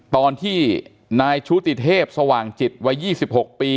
ตอนที่นายชุธิเทพศหว่างจิต๘๕ปี